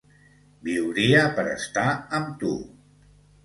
Viuria per estar amb tu.